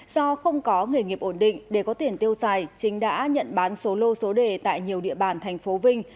do không có nghề nghiệp ổn định để có tiền tiêu xài chính đã nhận bán số lô số đề tại nhiều địa bàn thành phố vinh